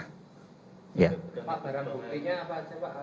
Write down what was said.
pak barang bukinya apa